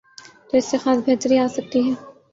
تو اس سے خاصی بہتری آ سکتی ہے۔